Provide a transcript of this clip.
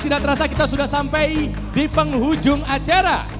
tidak terasa kita sudah sampai di penghujung acara